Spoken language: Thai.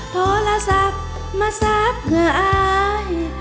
โทรศัพท์มาซักเพื่ออาย